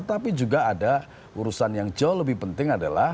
tapi juga ada urusan yang jauh lebih penting adalah